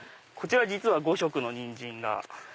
こちら実は５色のニンジンが。